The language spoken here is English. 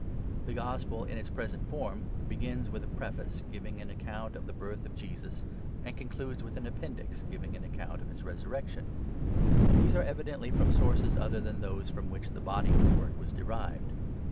/ The gospel, in its present form, begins with a preface giving an account of the birth of Jesus, and concludes with an appendix giving an account of his resurrection, j These are evidently from sources other than those from which the body of the work was derived.)